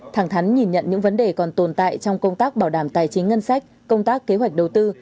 thẳng thắn nhìn nhận những vấn đề còn tồn tại trong công tác bảo đảm tài chính ngân sách công tác kế hoạch đầu tư